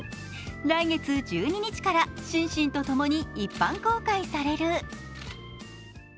来月１２日からシンシンと共に一般公開される。